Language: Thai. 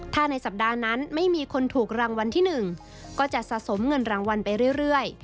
ถ้าในสัปดาห์นั้นไม่มีคนถูกรางวัลที่๑ก็จะสะสมเงินรางวัลไปเรื่อย